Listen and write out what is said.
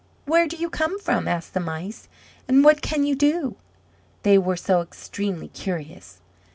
"Where do you come from," asked the Mice; "and what can you do?" They were so extremely curious.